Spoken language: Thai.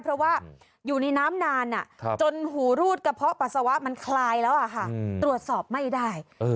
เพราะว่าอยู่ในน้ำนานจนหูรูดกระเพาะปัสสาวะมันคลายแล้วตรวจสอบไม่ได้